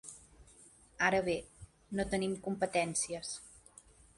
Ara bé, no tenim competències.